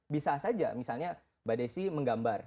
bisa saja misalnya mbak desi menggambar